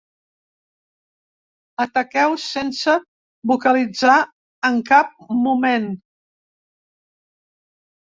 Ataqueu sense vocalitzar en cap moment.